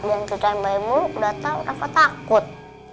jangan tertanam bayimu udah tau aku takut